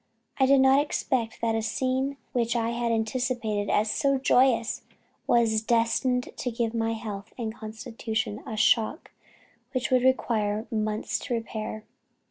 I did not expect that a scene which I had anticipated as so joyous, was destined to give my health and constitution a shock which would require months to repair.